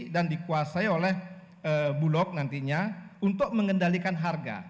dan dikuasai oleh bulog nantinya untuk mengendalikan harga